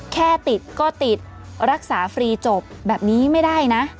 แค่ติดก็ติดรักษาฟรีจบแบบนี้ไม่ได้นะ